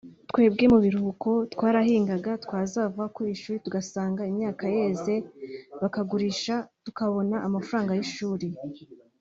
twebwe mu biruhuko twarahingaga twazava ku ishuri tugasanga imyaka yeze bakagurisha tukabona amafaranga y’ishuri